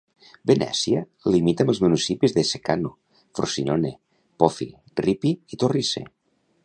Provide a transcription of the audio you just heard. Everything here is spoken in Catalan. Venècia limita amb els municipis de Ceccano, Frosinone, Pofi, Ripi i Torrice.